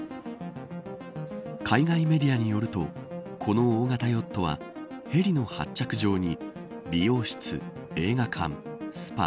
海外メディアによるとこの大型ヨットはヘリの発着場に理容室映画館、スパ